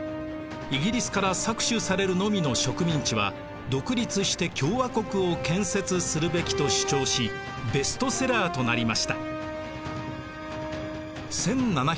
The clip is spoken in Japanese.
イギリスから搾取されるのみの植民地は独立して共和国を建設するべきと主張しベストセラーとなりました。